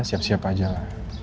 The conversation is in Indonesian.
siap siap aja lah